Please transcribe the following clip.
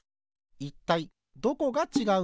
いったいどこがちがうのか？